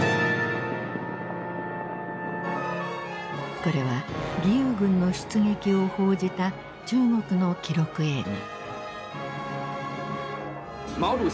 これは義勇軍の出撃を報じた中国の記録映画。